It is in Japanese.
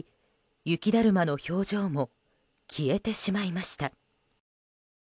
雪だるまの表情も消えてしまいました。